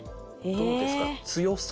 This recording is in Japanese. どうですか？